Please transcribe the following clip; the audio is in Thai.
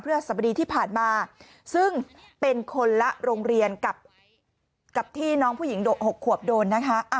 เพื่อสบดีที่ผ่านมาซึ่งเป็นคนละโรงเรียนกับที่น้องผู้หญิง๖ขวบโดนนะคะ